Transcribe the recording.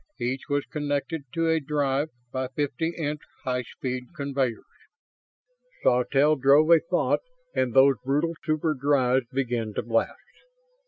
Each was connected to a drive by fifty inch high speed conveyors. Sawtelle drove a thought and those brutal super drives began to blast.